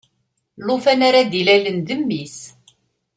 Lufan-a ara d-ilalen d mmi-s.